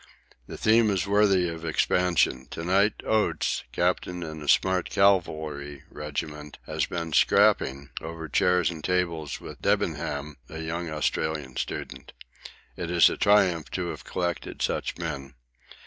This theme is worthy of expansion. To night Oates, captain in a smart cavalry regiment, has been 'scrapping' over chairs and tables with Debenham, a young Australian student. It is a triumph to have collected such men.